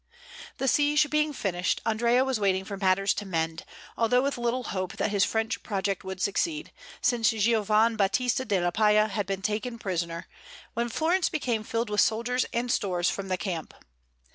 The siege being finished, Andrea was waiting for matters to mend, although with little hope that his French project would succeed, since Giovan Battista della Palla had been taken prisoner, when Florence became filled with soldiers and stores from the camp.